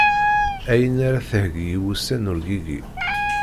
Ayen ara theggi i wussan n urgigi.